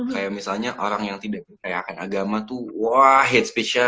kayak misalnya orang yang tidak percayakan agama tuh wah hate special